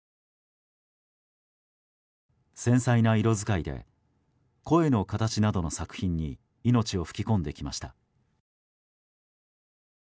繊細な色使いで「聲の形」などの作品に命を吹き込んできました。